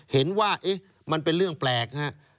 เห็นว่ามันเป็นเรื่องแปลกฮะ